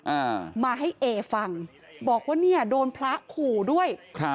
อ่ามาให้เอฟังบอกว่าเนี่ยโดนพระขู่ด้วยครับ